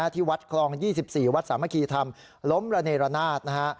ที่วัดคลอง๒๔วัดสามัคคีธรรมล้มระเนรนาศนะฮะ